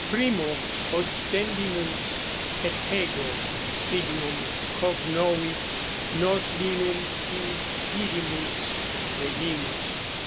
Primo ostendimus Cethego signum: cognovit; nos linum incidimus, legimus.